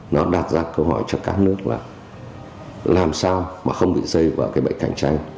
nó đặt ra câu hỏi cho các nước là làm sao mà không bị rơi vào cái bệnh cạnh tranh